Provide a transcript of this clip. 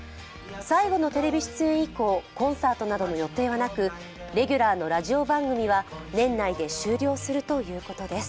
最後のテレビ出演以降、コンサートなどの予定はなくレギュラーのラジオ番組は年内で終了するということです。